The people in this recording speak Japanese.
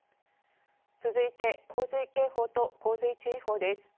続いて洪水警報と洪水注意報です。